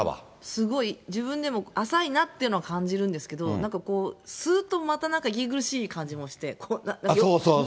すごい、自分でも浅いなっていうのは感じるんですけど、吸うとまた息苦しい感じもして。